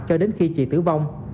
cho đến khi chị tử vong